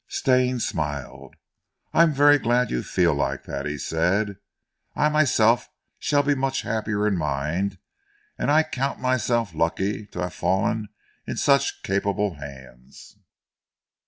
Stane smiled. "I am very glad you feel like that," he said. "I myself shall be much happier in mind and I count myself lucky to have fallen in such capable hands!"